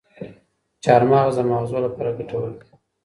چارمغز د ماغزو لپاره ګټور دي.